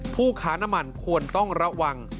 ผู้ค้าน้ำมันควรต้องระวัง